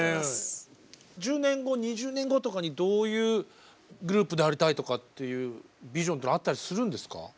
１０年後２０年後とかにどういうグループでありたいとかっていうビジョンってあったりするんですか？